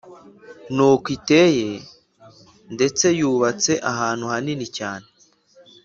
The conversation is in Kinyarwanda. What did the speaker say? nuko iteye ndetse yubatse ahantu hanini cyane